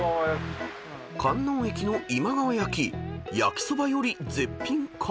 ［観音駅の今川焼き焼きそばより絶品か？］